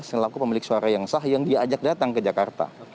selaku pemilik suara yang sah yang diajak datang ke jakarta